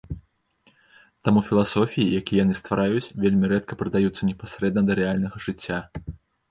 Таму філасофіі, якія яны ствараюць, вельмі рэдка прыдаюцца непасрэдна да рэальнага жыцця.